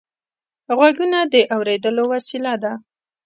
غوږونه د اورېدلو وسیله ده